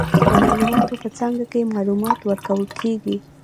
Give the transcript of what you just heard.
د معلوماتو په څانګه کې، معلومات ورکول کیږي.